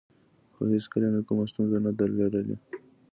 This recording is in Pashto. خو هېڅکله مې کومه ستونزه نه ده لرلې